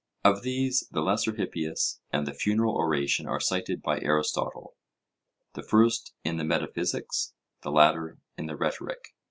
Of these, the Lesser Hippias and the Funeral Oration are cited by Aristotle; the first in the Metaphysics, the latter in the Rhetoric.